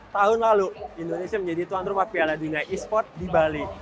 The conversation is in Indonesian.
tahun lalu indonesia menjadi tuan rumah piala dunia e sport di bali